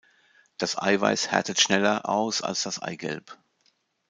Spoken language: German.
Das Eiweiß härtet schneller aus als das Eigelb.